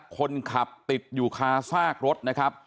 คนขับติดอยู่คาซากรถนะครับ